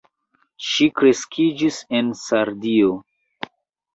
Ŝi kreskiĝis en Sardio.